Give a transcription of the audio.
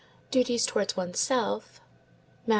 duties towards one's self (_Matt.